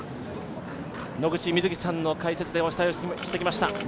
野口みずきさんの解説でお伝えをしました。